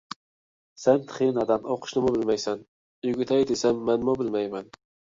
سەن تېخى نادان، ئوقۇشنىمۇ بىلمەيسەن. ئۆگىتەي دېسەم مەنمۇ بىلمەيمەن.